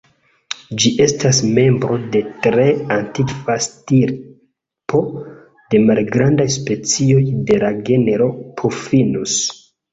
Ĝi estas membro de tre antikva stirpo de malgrandaj specioj de la genro "Puffinus".